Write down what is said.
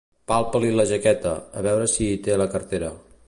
Palpa-li la jaqueta, a veure si hi té la cartera.